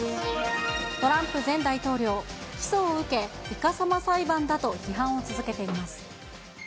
トランプ前大統領、起訴を受け、いかさま裁判だと批判を続けています。